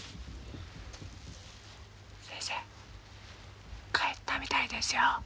先生帰ったみたいですよ。